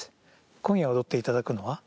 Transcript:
今夜踊っていただくのは？